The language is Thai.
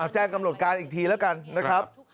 แจ้งกำหนดการอีกทีแล้วกันนะครับ